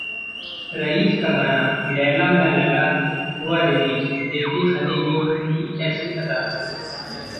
'rice' का गाना 'लैला मैं लैला...' हुआ रिलीज, देखिए सनी लियोन की ऐसी अदा